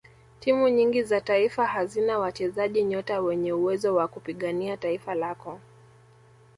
timu nyingi za taifa hazina wachezaji nyota wenye uwezo wa kupigania taifa lako